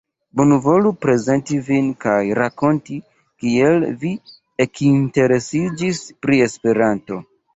Bonvolu prezenti vin kaj rakonti kiel vi ekinteresiĝis pri Esperanto.